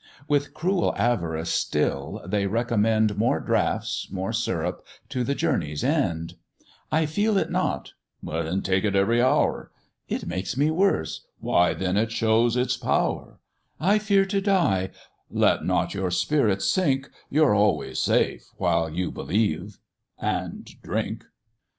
With cruel avarice still they recommend More draughts, more syrup, to the journey's end: "I feel it not;" "Then take it every hour:" "It makes me worse;" "Why then it shows its power;" "I fear to die;" "Let not your spirits sink, You're always safe, while you believe and drink."